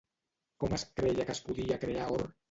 Com es creia que es podia crear or?